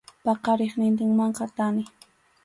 Paqariqnintinmanqa thani.